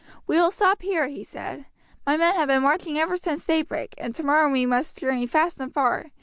"We will stop here," he said. "My men have been marching ever since daybreak, and tomorrow we must journey fast and far.